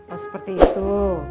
oh seperti itu